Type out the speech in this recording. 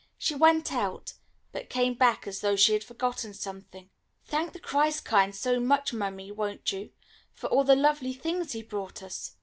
She went out, but came back as though she had forgotten something. "Thank the Christkind so much, Mummy, won't you, for all the lovely things He brought us.